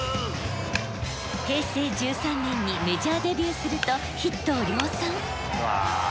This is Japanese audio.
平成１３年にメジャーデビューするとヒットを量産！